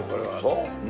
そう？